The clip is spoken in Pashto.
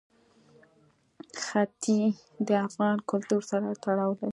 ښتې د افغان کلتور سره تړاو لري.